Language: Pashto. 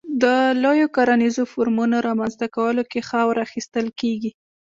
د لویو کرنیزو فارمونو رامنځته کولو کې خاوره اخیستل کېږي.